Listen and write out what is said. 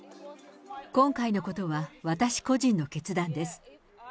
今回のことは、私個人の決断です。